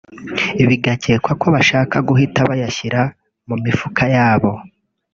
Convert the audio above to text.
bigakekwa ko bashakaga guhita bayashyira mu mifuka yabo